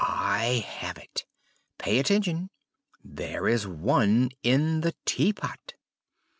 "I have it! Pay attention! There is one in the tea pot!"